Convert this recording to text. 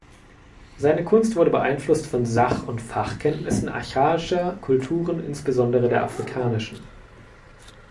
Seine Kunst wurde beeinflusst von Sach- und Fachkenntnissen archaischer Kulturen, insbesondere der afrikanischen.